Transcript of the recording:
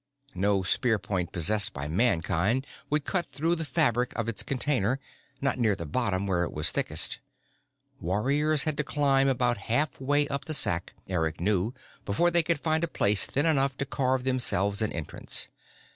No spear point possessed by Mankind would cut through the fabric of its container, not near the bottom where it was thickest. Warriors had to climb about halfway up the sack, Eric knew, before they could find a place thin enough to carve themselves an entrance.